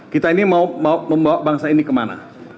kita ini mau membawa bangsa ini kemana